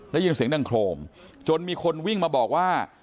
ได้ยินเสียงดังโครมจนมีคนวิ่งมาบอกว่า